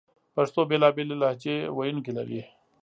پښتو بېلابېل لهجې ویونکې لري